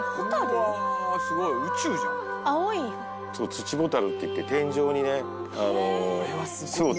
ツチボタルっていって天井にね巣を作って。